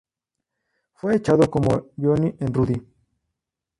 Fue echado como Johnny en Rudy.